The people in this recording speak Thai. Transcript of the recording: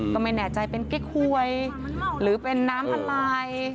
ก็ไม่แน่ใจเป็นเก๊กหวยหรือเป็นน้ำอะไร